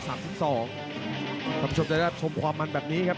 คุณผู้ชมจะได้ชมความมันแบบนี้ครับ